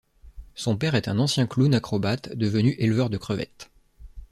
Son père est un ancien clown acrobate devenu éleveur de crevettes.